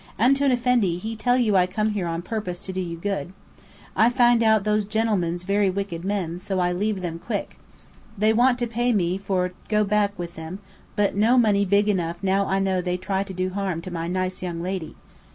"Antoun Effendi, he tell you I come here on purpose to do you good. I find out those genlemens very wicked men, so I leave them quick. They want to pay me for go back with them, but no money big enough now I know they try to do harm to my nice young lady.